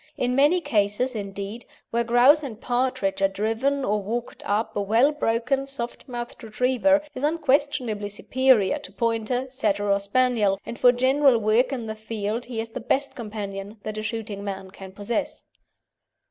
In many cases, indeed, where grouse and partridge are driven or walked up a well broken, soft mouthed Retriever is unquestionably superior to Pointer, Setter, or Spaniel, and for general work in the field he is the best companion that a shooting man can possess.